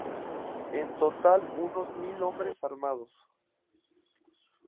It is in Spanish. En total unos mil hombres armados.